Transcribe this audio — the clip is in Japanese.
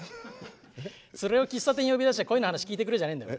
連れを喫茶店呼び出して「恋の話聞いてくれ」じゃねえんだよ。